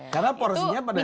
karena porsinya pada saat